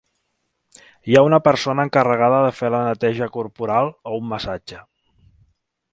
Hi ha una persona encarregada de fer la neteja corporal o un massatge.